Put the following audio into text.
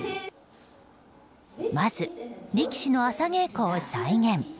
まず力士の朝稽古を再現。